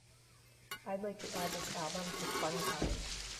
I'd like to add this album to funtime.